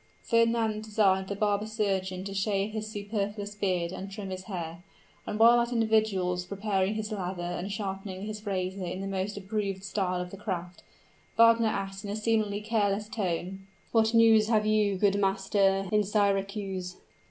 Fernand desired the barber surgeon to shave his superfluous beard and trim his hair; and while that individual was preparing his lather and sharpening his razor in the most approved style of the craft, Wagner asked in a seemingly careless tone, "What news have you, good master, in Syracuse?"